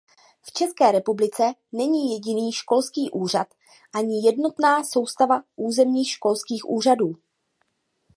V České republice není jediný školský úřad ani jednotná soustava územních školských úřadů.